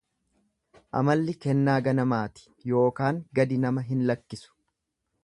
Amalli kennaa ganamaati yookaan gadi nama hin lakkisu.